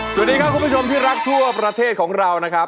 สวัสดีครับคุณผู้ชมที่รักทั่วประเทศของเรานะครับ